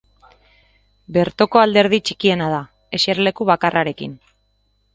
Bertoko alderdi txikiena da, eserleku bakarrarekin.